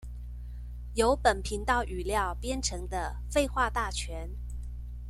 由本頻道語料編成的廢話大全